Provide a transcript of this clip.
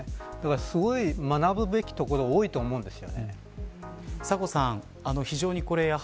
すごい学ぶべきところは多いと思うんです。